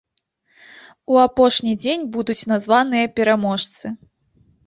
У апошні дзень будуць названыя пераможцы.